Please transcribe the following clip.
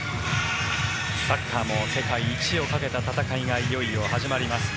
サッカーも世界一をかけた戦いがいよいよ始まります。